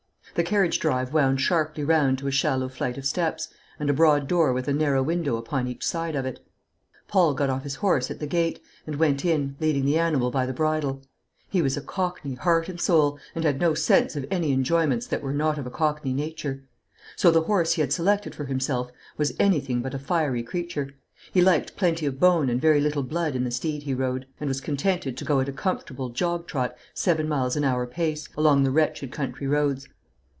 The carriage drive wound sharply round to a shallow flight of steps, and a broad door with a narrow window upon each side of it. Paul got off his horse at the gate, and went in, leading the animal by the bridle. He was a Cockney, heart and soul, and had no sense of any enjoyments that were not of a Cockney nature. So the horse he had selected for himself was anything but a fiery creature. He liked plenty of bone and very little blood in the steed he rode, and was contented to go at a comfortable, jog trot, seven miles an hour pace, along the wretched country roads.